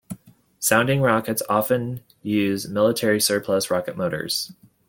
Sounding rockets often use military surplus rocket motors.